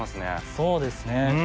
そうですね。